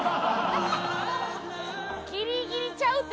ギリギリちゃうって！